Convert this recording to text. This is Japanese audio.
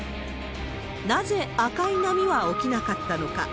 なぜ赤い波は起きなかったのか。